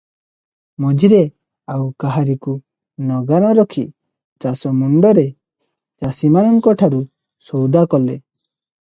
ମଝିରେ ଆଉ କାହାରିକୁ ନଗା ନ ରଖି ଚାଷମୁଣ୍ଡରେ ଚାଷୀମାନଙ୍କଠାରୁ ସଉଦା କଲେ ।